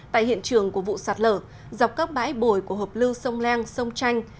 tại hiện trường của vụ sạt lở dọc các bãi bồi của hợp lưu sông leng sông chanh